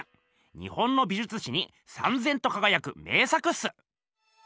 日本の美じゅつ史にさんぜんとかがやく名作っす。